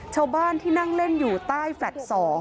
ชาวบ้านที่นั่งเล่นอยู่ใต้แฟลต์๒